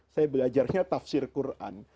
saya belajarnya tafsir quran